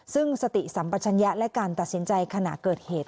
ซึ่งสติสัมปัชญะและการตัดสินใจขณะเกิดเหตุ